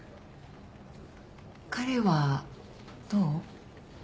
彼はどう？